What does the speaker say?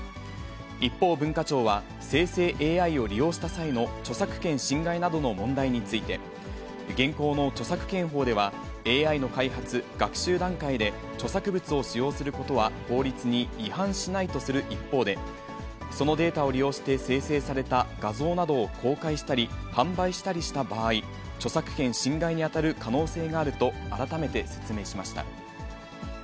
一方、文化庁は、生成ＡＩを利用した際の著作権侵害などの問題について、現行の著作権法ではＡＩの開発・学習段階で著作物を使用することは、法律に違反しないとする一方で、そのデータを利用して生成された画像などを公開したり、販売したりした場合、著作権侵害に当たる可能性があると改めて説明しました。